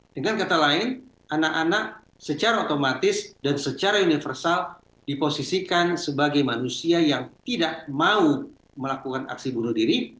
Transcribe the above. dengan kata lain anak anak secara otomatis dan secara universal diposisikan sebagai manusia yang tidak mau melakukan aksi bunuh diri